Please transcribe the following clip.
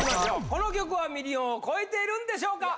この曲はミリオンを超えているんでしょうか？